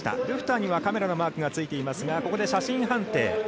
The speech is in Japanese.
ドゥフターにはカメラのマークがついていますがここで写真判定。